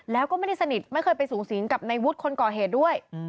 แล้วก็ไม่ได้สนิทไม่เคยไปสูงสิงกับในวุฒิคนก่อเหตุด้วย